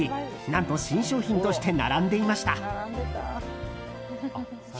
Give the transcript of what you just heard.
何と、新商品として並んでました。